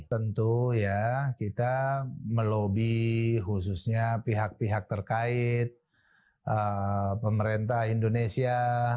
tentu ya kita melobi khususnya pihak pihak terkait pemerintah indonesia